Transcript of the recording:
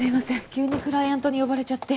急にクライアントに呼ばれちゃって。